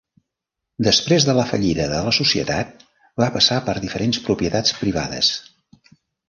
Després de la fallida de la societat va passar per diferents propietats privades.